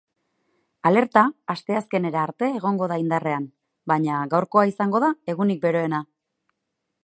Alerta asteazkenera arte egongo da indarrean, baina gaurkoa izango da egunik beroena.